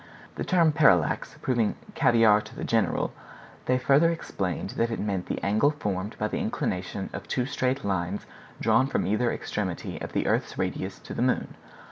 The term parallax proving "caviare to the general," they further explained that it meant the angle formed by the inclination of two straight lines drawn from either extremity of the earth's radius to the moon.